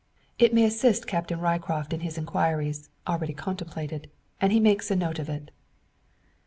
It may assist Captain Ryecroft in his inquiries, already contemplated, and he makes note of it.